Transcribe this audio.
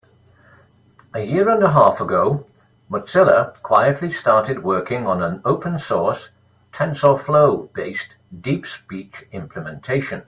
A year and a half ago, Mozilla quietly started working on an open source, TensorFlow-based DeepSpeech implementation.